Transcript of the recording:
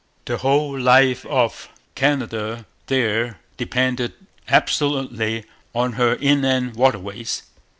The whole life of Canada there depended absolutely on her inland waterways.